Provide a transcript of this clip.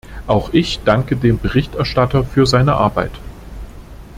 Auch ich danke dem Berichterstatter für seine Arbeit.